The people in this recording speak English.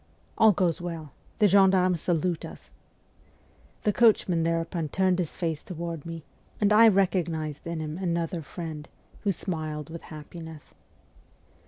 ' All goes well ; the gendarmes salute us !' The coachman thereupon turned his face toward me, and I recognised in him another friend, who smiled with happiness.